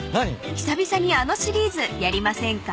久々にあのシリーズやりませんか？］